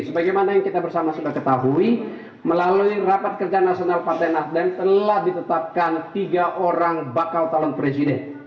sebagaimana yang kita bersama sudah ketahui melalui rapat kerja nasional partai nasdem telah ditetapkan tiga orang bakal calon presiden